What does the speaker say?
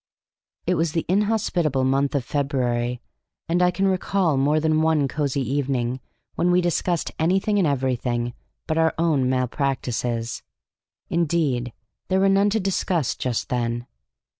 It was the inhospitable month of February, and I can recall more than one cosy evening when we discussed anything and everything but our own malpractices; indeed, there were none to discuss just then.